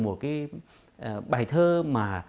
một cái bài thơ mà